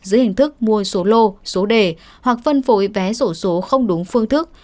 dưới hình thức mua số lô số đề hoặc phân phối vé sổ số không đúng phương thức